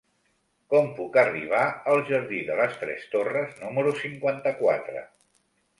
Com puc arribar al jardí de les Tres Torres número cinquanta-quatre?